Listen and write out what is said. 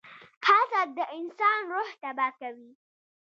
• حسد د انسان روح تباه کوي.